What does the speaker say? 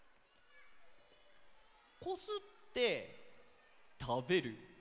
こすってたべる。